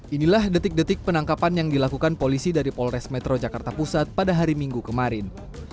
inilah detik detik penangkapan yang dilakukan polisi dari polres metro jakarta pusat pada hari minggu kemarin